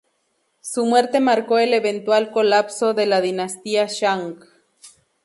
Su muerte marcó el eventual colapso de la dinastía Shang.